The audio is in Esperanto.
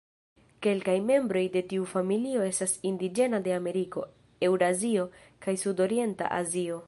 Kelkaj membroj de tiu familio estas indiĝena de Ameriko, Eŭrazio, kaj Sudorienta Azio.